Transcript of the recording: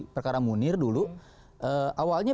perkara munir dulu awalnya